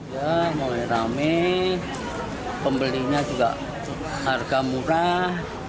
ya mulai rame pembelinya juga harga murah